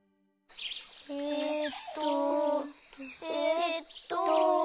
えっとえっと。